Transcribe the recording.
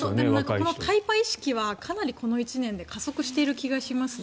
このタイパ意識はかなりこの１年で加速している気がしますね。